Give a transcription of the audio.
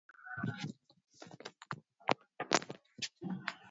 Raisi Kenyatta ambaye ni Mwenyekiti wa Jumuia ya Afrika Mashariki alisema